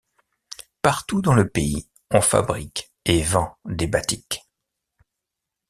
Partout dans le pays, on fabrique et vend des batiks.